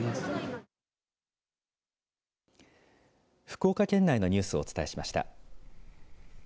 福岡県内のニュースをお伝えしました。